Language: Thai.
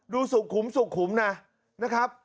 ดูสุขขุมนะครับ